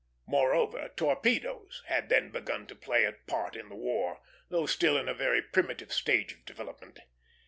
Moreover, torpedoes had then begun to play a part in the war, though still in a very primitive stage of development.